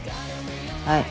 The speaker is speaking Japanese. はい。